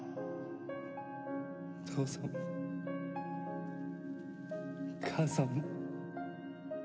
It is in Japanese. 父さんも母さんも。